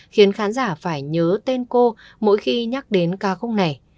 khiến khán giả phải nhớ tên cô mỗi khi nhắc đến ca khúc này